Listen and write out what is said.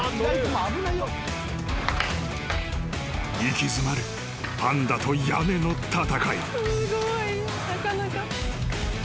［息詰まるパンダと屋根の戦い］